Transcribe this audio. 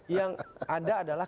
yang ada adalah